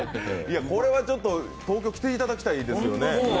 これは東京に来ていただきたいですね。